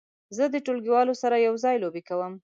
زه د ټولګیوالو سره یو ځای لوبې کوم.